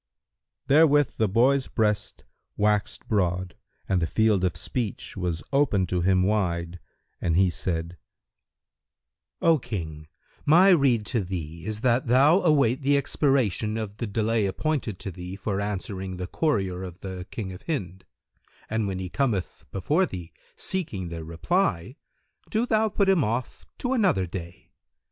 Therewith the boy's breast waxed broad and the field of speech was opened to him wide and he said, "O King, my rede to thee is that thou await the expiration of the delay appointed to thee for answering the courier of the King of Hind, and when he cometh before thee seeking the reply, do thou put him off to another day.